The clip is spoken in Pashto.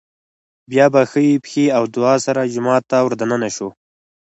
بيا په ښۍ پښې او دعا سره جومات ته ور دننه شو